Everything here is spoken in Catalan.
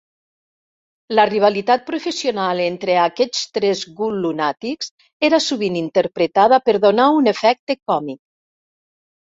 La rivalitat professional entre aquests tres GhoulLunatics era sovint interpretada per donar un efecte còmic.